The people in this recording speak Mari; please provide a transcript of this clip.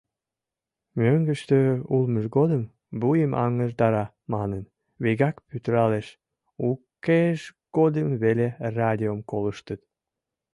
Мӧҥгыштӧ улмыж годым «вуйым аҥыртара» манын, вигак пӱтыралеш, укеж годым веле радиом колыштыт.